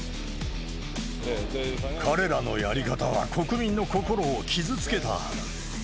彼らのやり方は国民の心を傷つけた。